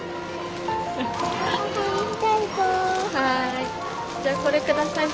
はい。